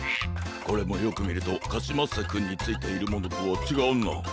これもよくみるとカシマッセくんについているものとはちがうな。